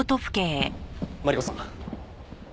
マリコさん。